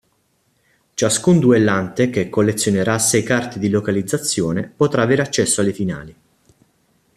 Ciascun duellante che collezionerà sei Carte di Localizzazione potrà avere accesso alle finali.